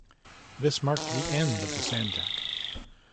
This marked the end of the Sanjak.